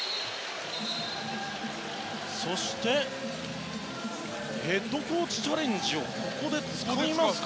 そしてヘッドコーチチャレンジをここで使いますか。